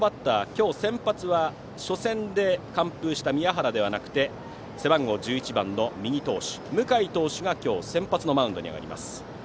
今日、先発は初戦で完封した宮原ではなくて背番号１１の右投手向井投手が先発のマウンドに上がります。